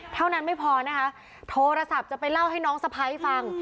เท่านั้นไม่พอนะคะโทรศัพท์จะไปเล่าให้น้องสะพ้ายฟัง